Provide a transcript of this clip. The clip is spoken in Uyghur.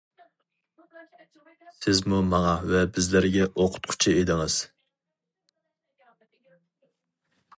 سىزمۇ ماڭا ۋە بىزلەرگە ئوقۇتقۇچى ئىدىڭىز.